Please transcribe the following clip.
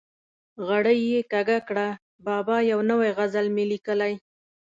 غړۍ یې کږه کړه: بابا یو نوی غزل مې لیکلی.